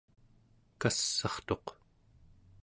kass'artuq